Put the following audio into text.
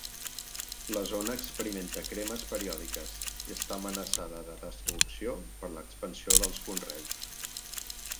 La zona experimenta cremes periòdiques i està amenaçada de destrucció per l'expansió dels conreus.